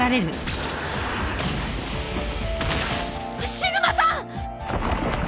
シグマさん！